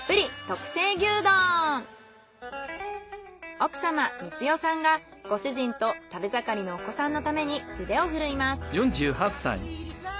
奥様充代さんがご主人と食べ盛りのお子さんのために腕を振るいます。